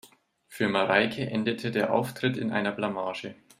Für Mareike endete der Auftritt in einer Blamage.